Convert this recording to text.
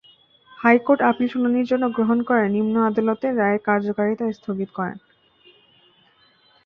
High court appeal শুনানির জন্য গ্রহণ করে নিম্ন আদালতের রায়ের কার্যকারিতা স্থগিত করেন।